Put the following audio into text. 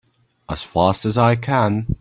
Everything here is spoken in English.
As fast as I can!